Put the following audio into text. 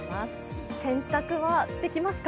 洗濯はできますか？